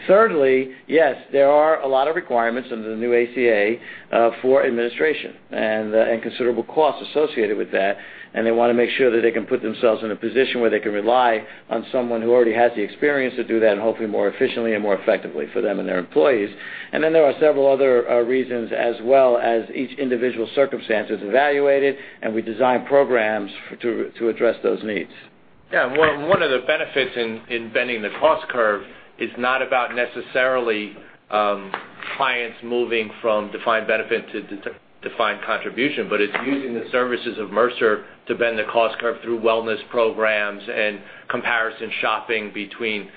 Thirdly, yes, there are a lot of requirements under the new ACA for administration and considerable costs associated with that, and they want to make sure that they can put themselves in a position where they can rely on someone who already has the experience to do that, and hopefully more efficiently and more effectively for them and their employees. There are several other reasons as well as each individual circumstance is evaluated, and we design programs to address those needs. Yeah. One of the benefits in bending the cost curve is not about necessarily clients moving from defined benefit to defined contribution, but it's using the services of Mercer to bend the cost curve through wellness programs and comparison shopping between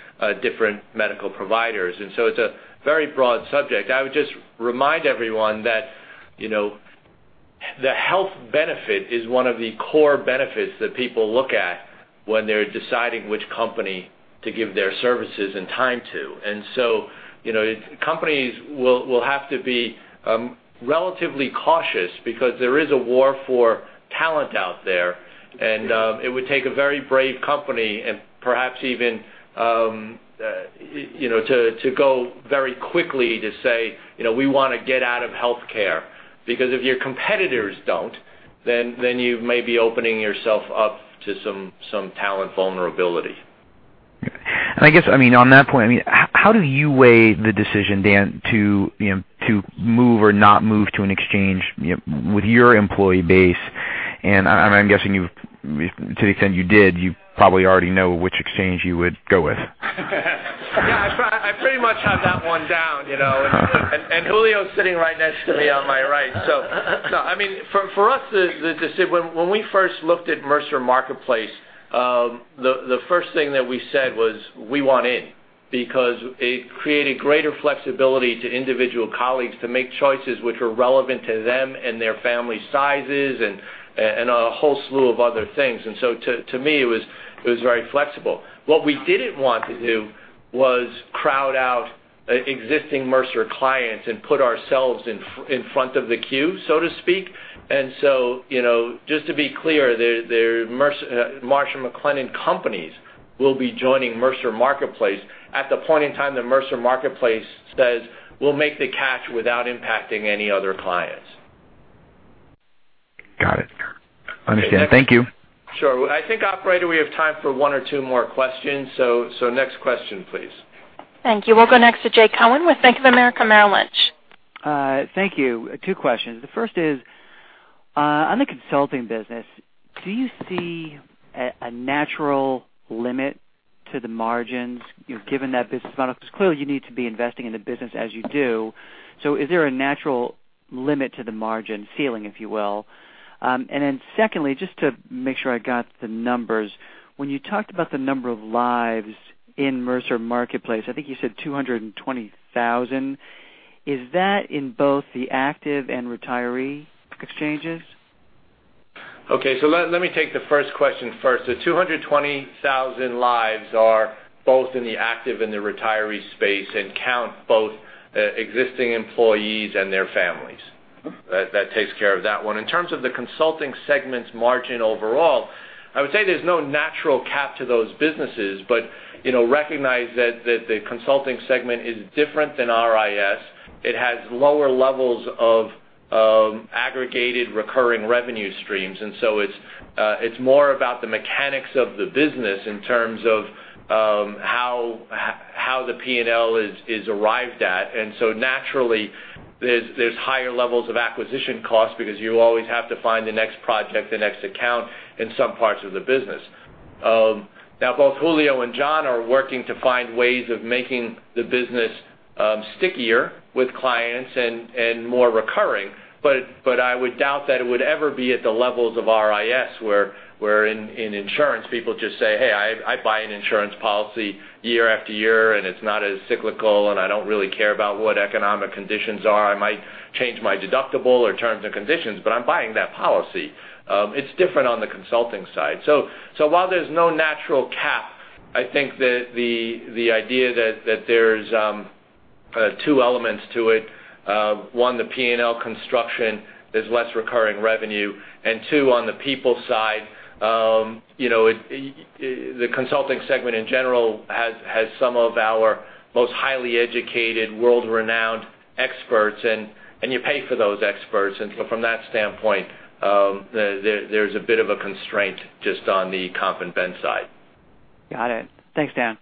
different medical providers. It's a very broad subject. I would just remind everyone that the health benefit is one of the core benefits that people look at when they're deciding which company to give their services and time to. Companies will have to be relatively cautious because there is a war for talent out there, and it would take a very brave company and perhaps even to go very quickly to say, "We want to get out of healthcare," because if your competitors don't, then you may be opening yourself up to some talent vulnerability. I guess, on that point, how do you weigh the decision, Dan, to move or not move to an exchange with your employee base? I'm guessing to the extent you did, you probably already know which exchange you would go with. Yeah, I pretty much have that one down. Julio is sitting right next to me on my right. For us, when we first looked at Mercer Marketplace, the first thing that we said was, "We want in." Because it created greater flexibility to individual colleagues to make choices which were relevant to them and their family sizes and a whole slew of other things. To me, it was very flexible. What we didn't want to do was crowd out existing Mercer clients and put ourselves in front of the queue, so to speak. Just to be clear, Marsh & McLennan Companies will be joining Mercer Marketplace at the point in time that Mercer Marketplace says we'll make the catch without impacting any other clients. Got it. Understand. Thank you. Sure. I think, operator, we have time for one or two more questions. Next question, please. Thank you. We'll go next to Jay Cohen with Bank of America Merrill Lynch. Thank you. Two questions. The first is, on the consulting business, do you see a natural limit to the margins, given that business model? Because clearly, you need to be investing in the business as you do. Is there a natural limit to the margin, ceiling if you will? Secondly, just to make sure I got the numbers. When you talked about the number of lives in Mercer Marketplace, I think you said 220,000. Is that in both the active and retiree exchanges? Okay. Let me take the first question first. The 220,000 lives are both in the active and the retiree space and count both existing employees and their families. That takes care of that one. In terms of the consulting segment's margin overall, I would say there's no natural cap to those businesses, but recognize that the consulting segment is different than RIS. It has lower levels of aggregated recurring revenue streams, it's more about the mechanics of the business in terms of how the P&L is arrived at. Naturally, there's higher levels of acquisition costs because you always have to find the next project, the next account in some parts of the business. Now, both Julio and John are working to find ways of making the business stickier with clients and more recurring. I would doubt that it would ever be at the levels of RIS, where in insurance, people just say, "Hey, I buy an insurance policy year after year, and it's not as cyclical, and I don't really care about what economic conditions are. I might change my deductible or terms and conditions, but I'm buying that policy." It's different on the consulting side. While there's no natural cap, I think that the idea that there's two elements to it, one, the P&L construction, there's less recurring revenue. Two, on the people side, the consulting segment, in general, has some of our most highly educated, world-renowned experts, and you pay for those experts. From that standpoint, there's a bit of a constraint just on the comp and ben side. Got it. Thanks, Dan.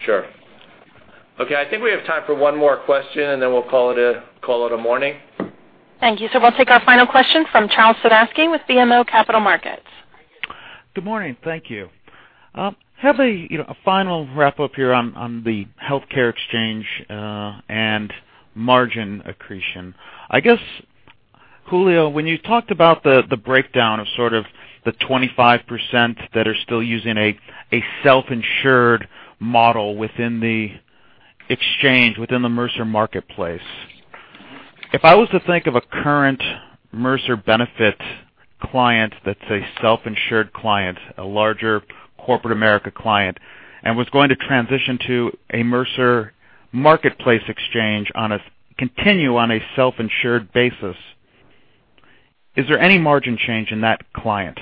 Sure. Okay, I think we have time for one more question, then we'll call it a morning. Thank you. We'll take our final question from Charles Sebaski with BMO Capital Markets. Good morning. Thank you. Have a final wrap-up here on the healthcare exchange and margin accretion. I guess, Julio, when you talked about the breakdown of sort of the 25% that are still using a self-insured model within the exchange, within the Mercer Marketplace. If I was to think of a current Mercer benefit client that's a self-insured client, a larger corporate America client, was going to transition to a Mercer Marketplace exchange, continue on a self-insured basis, is there any margin change in that client?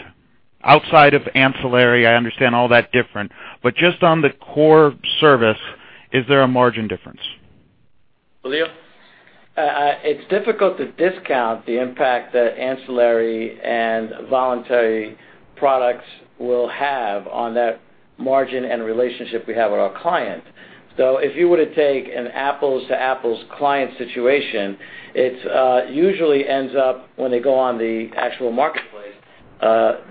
Outside of ancillary, I understand all that different, just on the core service, is there a margin difference? Julio? It's difficult to discount the impact that ancillary and voluntary products will have on that margin and relationship we have with our client. If you were to take an apples-to-apples client situation, it usually ends up when they go on the actual Marketplace,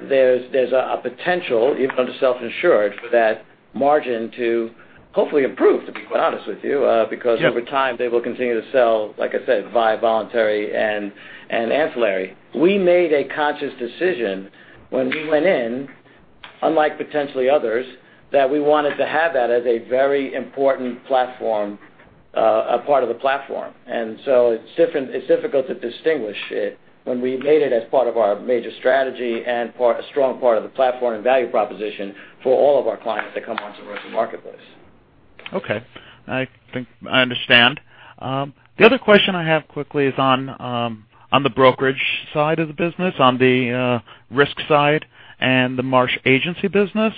there's a potential, even under self-insured, for that margin to hopefully improve, to be quite honest with you because over time, they will continue to sell, like I said, via voluntary and ancillary. We made a conscious decision when we went in, unlike potentially others, that we wanted to have that as a very important platform, a part of the platform. It's difficult to distinguish it when we made it as part of our major strategy and a strong part of the platform and value proposition for all of our clients that come onto Mercer Marketplace. Okay. I think I understand. The other question I have quickly is on the brokerage side of the business, on the risk side and the Marsh Agency business.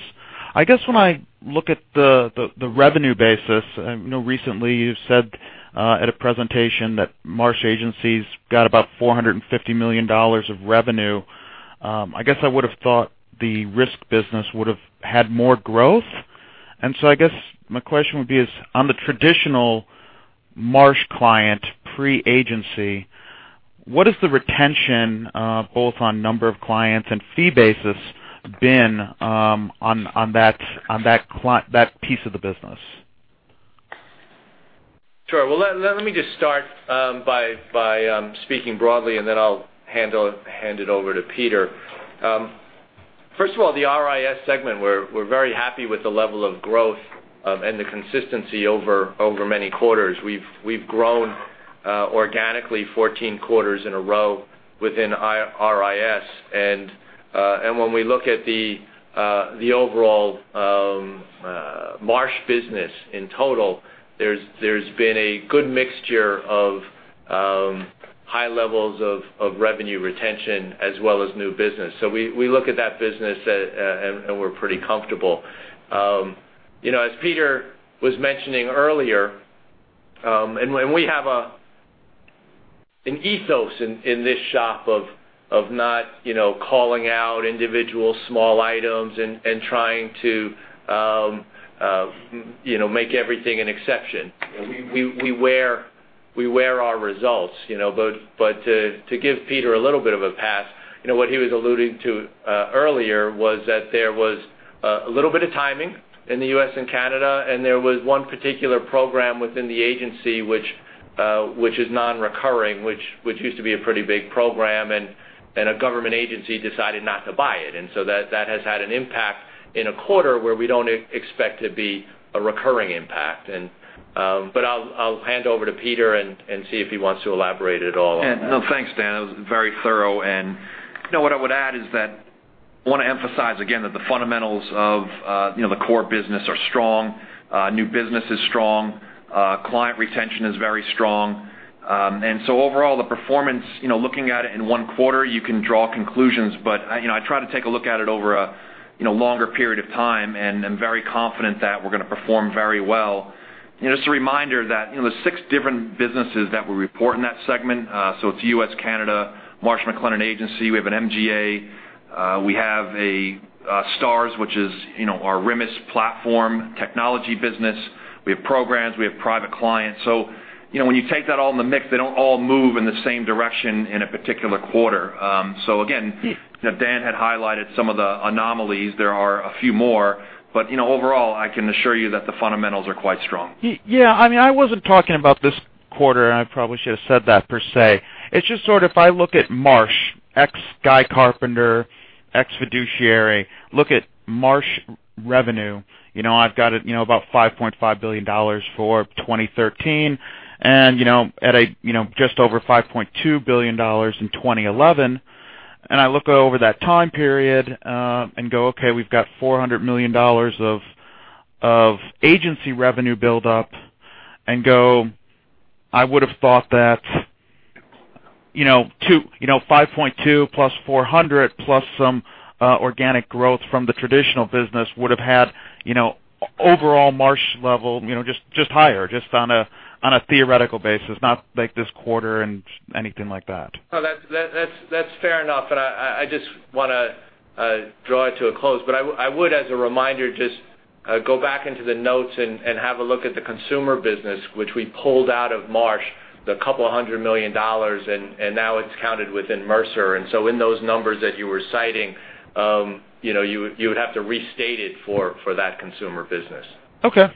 I guess when I look at the revenue basis, I know recently you said at a presentation that Marsh Agency got about $450 million of revenue. I guess I would have thought the risk business would have had more growth. I guess my question would be is, on the traditional Marsh client pre-agency, what is the retention, both on number of clients and fee basis been on that piece of the business? Sure. Well, let me just start by speaking broadly, then I'll hand it over to Peter. First of all, the RIS segment, we're very happy with the level of growth and the consistency over many quarters. We've grown organically 14 quarters in a row within RIS. When we look at the overall Marsh business in total, there's been a good mixture of high levels of revenue retention as well as new business. We look at that business, and we're pretty comfortable. As Peter was mentioning earlier, we have an ethos in this shop of not calling out individual small items and trying to make everything an exception. We wear our results. To give Peter a little bit of a pass, what he was alluding to earlier was that there was a little bit of timing in the U.S. and Canada, and there was one particular program within the agency which is non-recurring, which used to be a pretty big program, and a government agency decided not to buy it. That has had an impact in a quarter where we don't expect it be a recurring impact. I'll hand over to Peter and see if he wants to elaborate at all on that. No, thanks, Dan. That was very thorough. What I would add is that I want to emphasize again that the fundamentals of the core business are strong. New business is strong. Client retention is very strong. Overall, the performance, looking at it in one quarter, you can draw conclusions, but I try to take a look at it over a longer period of time, and I'm very confident that we're going to perform very well. Just a reminder that there's six different businesses that we report in that segment. It's U.S., Canada, Marsh McLennan Agency, we have an MGA, we have STARS, which is our STARS platform technology business. We have programs, we have private clients. When you take that all in the mix, they don't all move in the same direction in a particular quarter. Again, Dan had highlighted some of the anomalies. There are a few more. Overall, I can assure you that the fundamentals are quite strong. Yeah. I wasn't talking about this quarter. I probably should have said that per se. It's just sort of, I look at Marsh, ex Guy Carpenter, ex fiduciary, look at Marsh revenue. I've got about $5.5 billion for 2013 and at just over $5.2 billion in 2011. I look over that time period and go, okay, we've got $400 million of agency revenue build up and go, I would have thought that 5.2 plus 400 plus some organic growth from the traditional business would have had overall Marsh level just higher, just on a theoretical basis, not like this quarter and anything like that. No, that's fair enough. I just want to draw it to a close, but I would, as a reminder, just go back into the notes and have a look at the consumer business, which we pulled out of Marsh, the couple of hundred million dollars, and now it's counted within Mercer. In those numbers that you were citing, you would have to restate it for that consumer business. Okay.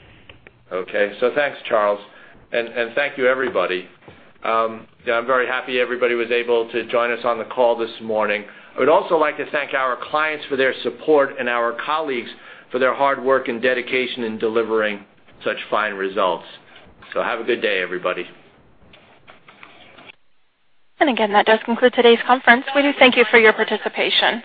Okay. Thanks, Charles, and thank you, everybody. I'm very happy everybody was able to join us on the call this morning. I would also like to thank our clients for their support and our colleagues for their hard work and dedication in delivering such fine results. Have a good day, everybody. Again, that does conclude today's conference. We do thank you for your participation.